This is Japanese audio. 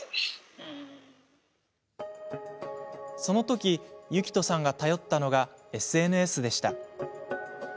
そのとき、ユキトさんが頼ったのがＳＮＳでした。